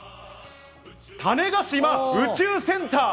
種子島宇宙センター。